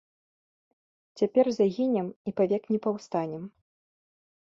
Цяпер загінем і павек не паўстанем.